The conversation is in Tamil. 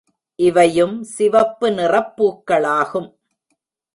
இவையும் சிவப்பு நிறப் பூக்களாகும்.